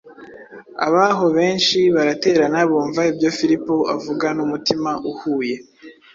Ab’aho benshi baraterana, bumva ibyo Filipo avuga n’umutima uhuye,